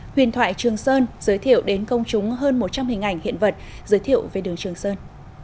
huyền thoại trường sơn giới thiệu đến công chúng hơn một trăm linh hình ảnh hiện vật giới thiệu về đường trường sơn